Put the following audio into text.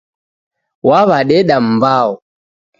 Wawadeda mmbao